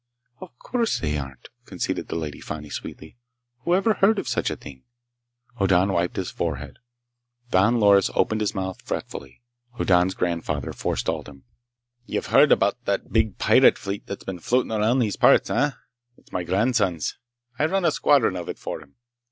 "Of course they aren't," conceded the Lady Fani sweetly. "Whoever heard of such a thing?" Hoddan wiped his forehead. Don Loris opened his mouth fretfully. Hoddan's grandfather forestalled him. "You've heard about that big pirate fleet that's been floating around these parts? Eh? It's my grandson's. I run a squadron of it for him.